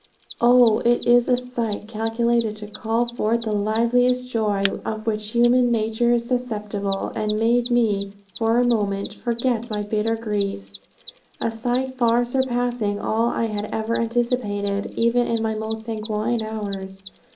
Oh it was a sight calculated to call forth the liveliest joy of which human nature is susceptible, and made me, for a moment, forget my bitter griefs a sight far surpassing all I had ever anticipated, even in my most sanguine hours.